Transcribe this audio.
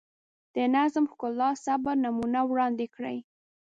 د نظم، ښکلا، صبر نمونه وړاندې کړي.